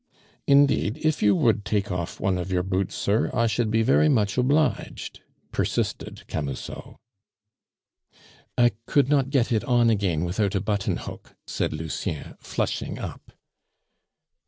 "Indeed, if you would take off one of your boots, sir, I should be very much obliged," persisted Camusot. "I could not get it on again without a button hook," said Lucien, flushing up.